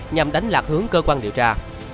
nhằm đánh lạc hướng cơ quan điều tra